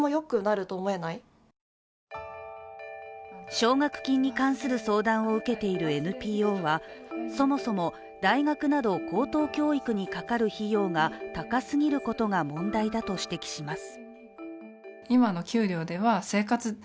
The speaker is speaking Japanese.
奨学金に関する相談を受けているＮＰＯはそもそも大学など高等教育にかかる費用が高すぎることが問題だと指摘します。